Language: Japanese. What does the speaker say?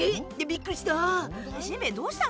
びっくりした。